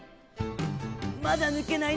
まだぬけないな。